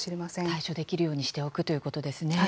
対処できるようにしておくということですね。